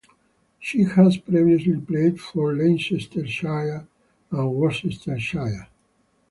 She has previously played for Leicestershire and Worcestershire.